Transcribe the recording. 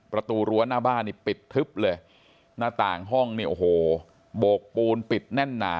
ประตูรั้วหน้าบ้านปิดทึบเลย